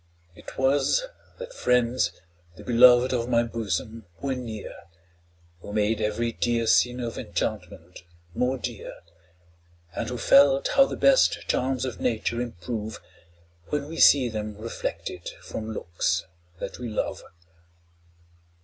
'Twas that friends, the beloved of my bosom, were near, Who made every dear scene of enchantment more dear, And who felt how the best charms of nature improve, When we see them reflected from looks that we love.